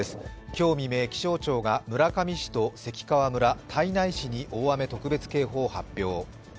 今日未明、気象庁が村上市と関川村、胎内市に大雨特別警報を発表。